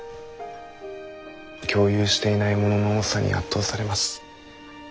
共有していないものの多さに圧倒されます。